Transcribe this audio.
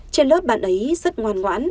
trên lớp bạn ấy rất ngoan ngoãn